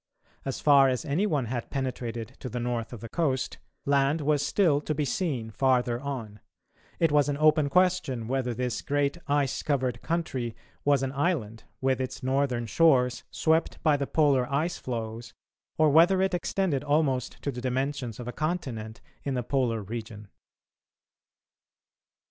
As far as any one had penetrated to the north of the coast, land was still to be seen farther on; it was an open question whether this great ice covered country was an island, with its northern shores swept by the Polar ice floes, or whether it extended almost to the dimensions of a continent in the Polar region.